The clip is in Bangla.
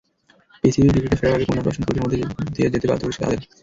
পিসিবিও ক্রিকেটে ফেরার আগে পুনর্বাসন প্রক্রিয়ার মধ্য দিয়ে যেতে বাধ্য করেছে তাঁদের।